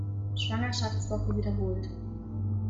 Schwangerschaftswoche wiederholt.